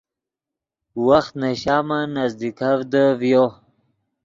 وخت نے شامن نزدیکڤدے ڤیو